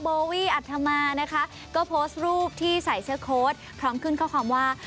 โบวี่อัธมานะคะก็โพสต์รูปที่ใส่เสื้อโค้ดพร้อมขึ้นข้อความว่า